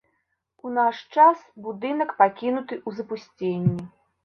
У наш час будынак пакінуты ў запусценні.